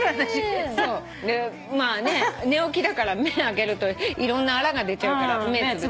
まあね寝起きだから目開けるといろんなあらが出ちゃうから目つぶって。